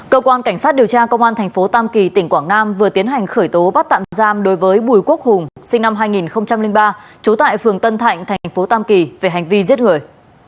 cơ quan cảnh sát điều tra công an thành phố tam kỳ tỉnh quảng nam vừa tiến hành khởi tố bắt tạm giam đối với bùi quốc hùng sinh năm hai nghìn ba trú tại phường tân thạnh thành phố tam kỳ về hành vi giết người